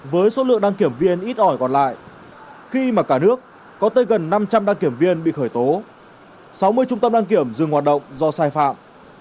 với số lượng đăng kiểm viên ít ỏi còn lại khi mà cả nước có tới gần năm trăm linh đăng kiểm viên bị khởi tố sáu mươi trung tâm đăng kiểm dừng hoạt động do sai phạm